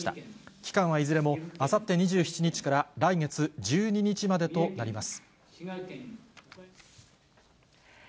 期間はいずれもあさって２７日から来月１２日までとなります。